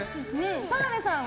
澤部さんは？